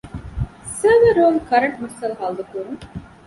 ސަރވަރ ރޫމް ކަރަންޓު މައްސަލަ ޙައްލުކުރުން